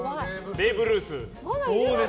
ベーブ・ルース。